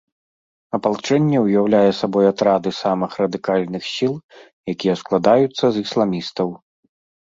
Апалчэнне ўяўляе сабой атрады самых радыкальных сіл, якія складаюцца з ісламістаў.